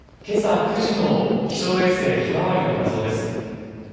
けさ９時の気象衛星ひまわりの画像です。